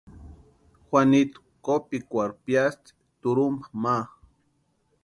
Juanitu kopikwarhu piasti turhumpa ma.